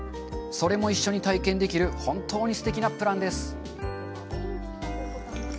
それも一緒に体験できる本当にすてきなプランです。